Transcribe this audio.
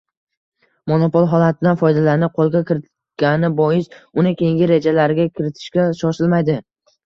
monopol holatidan foydalanib qo‘lga kiritgani bois uni keyingi rejalariga kiritishga shoshilmaydi